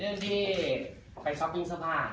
เรื่องที่ไปซ้อกพิ้งซาบพาค